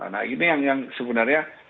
nah ini yang sebenarnya